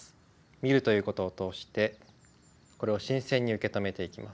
見るということを通してこれを新鮮に受け止めていきます。